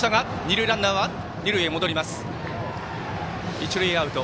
一塁アウト。